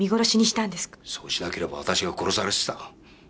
そうしなければ私が殺されてた。